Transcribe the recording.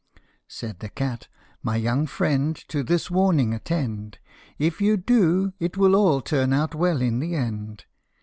Said the cat, " My young friend, to this warning attend ; If you do, it will all turn out well in the end.